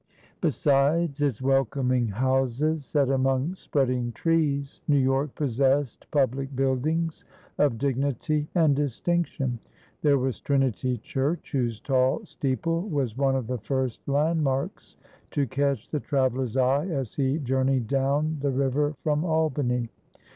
Besides its welcoming houses set among spreading trees, New York possessed public buildings of dignity and distinction. There was Trinity Church, whose tall steeple was one of the first landmarks to catch the traveler's eye as he journeyed down the river from Albany.